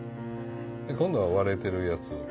今度は割れてるやつ。